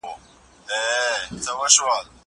زه پرون مکتب ته وم!!